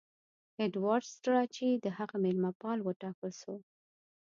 ایډوارډ سټراچي د هغه مېلمه پال وټاکل سو.